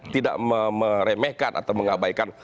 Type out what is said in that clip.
tidak meremehkan atau mengabaikan